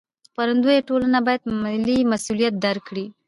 خپرندویه ټولنې باید ملي مسوولیت درک کړي.